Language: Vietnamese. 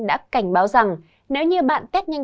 đã cảnh báo rằng nếu như bạn test nhanh